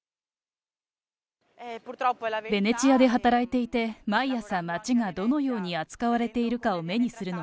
ベネチアで働いていて、毎朝、街がどのように扱われているかを目にするの。